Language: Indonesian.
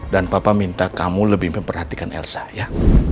dan papa minta kamu lebih memperhatikan elsa ya